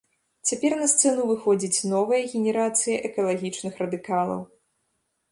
Цяпер на сцэну выходзіць новая генерацыя экалагічных радыкалаў.